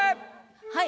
はい。